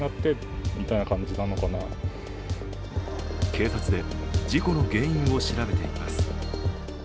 警察で事故の原因を調べています。